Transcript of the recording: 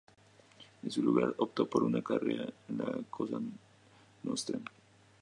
En su lugar, optó por una "carrera" en la Cosa Nostra.